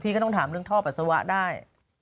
ก็ต้องถามเรื่องท่อปัสสาวะได้